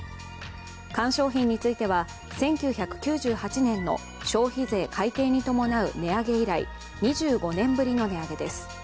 缶商品については１９９８年の消費税改定に伴う値上げ以来２５年ぶりの値上げです。